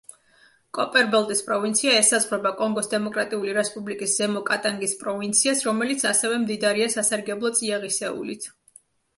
კოპერბელტის პროვინცია ესაზღვრება კონგოს დემოკრატიული რესპუბლიკის ზემო კატანგის პროვინციას, რომელიც ასევე მდიდარია სასარგებლო წიაღისეულით.